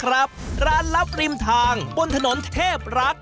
ร้านลับริมทางบนถนนเทพรัก